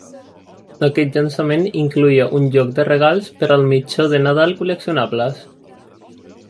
Aquest llançament incloïa un joc de regals per al mitjó de nadal col·leccionables.